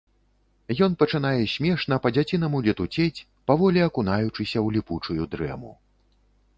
Ён пачынае смешна, па-дзяцінаму летуцець, паволі акунаючыся ў ліпучую дрэму.